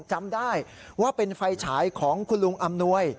จำได้ว่าเป็นไฟฉายของคุณลุงอำนวย